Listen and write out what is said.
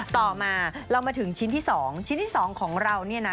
ต่อมาเรามาถึงชิ้นที่๒ชิ้นที่๒ของเราเนี่ยนะ